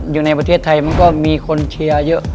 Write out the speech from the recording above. อยู่ในประเทศไทยมันก็มีคนเชียร์เยอะ